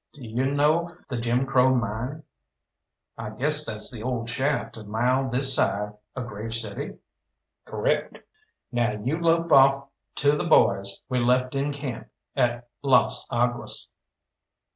D'you know the Jim Crow Mine?" "I guess that's the old shaft a mile this side of Grave City?" "Correct. Now you lope off to the boys we left in camp at Las Aguas.